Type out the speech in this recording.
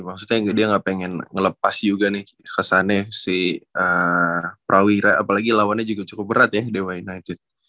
maksudnya dia nggak pengen ngelepas juga nih kesannya si prawira apalagi lawannya juga cukup berat ya the wni